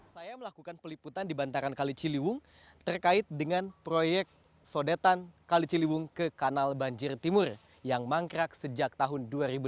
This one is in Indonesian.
saya melakukan peliputan di bantaran kali ciliwung terkait dengan proyek sodetan kali ciliwung ke kanal banjir timur yang mangkrak sejak tahun dua ribu lima belas